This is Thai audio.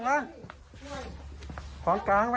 ยาวไปนี่